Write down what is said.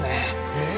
えっ？